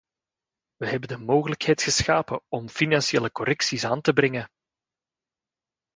We hebben de mogelijkheid geschapen om financiële correcties aan te brengen.